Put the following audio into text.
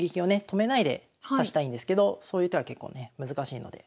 止めないで指したいんですけどそういう手は結構ね難しいので。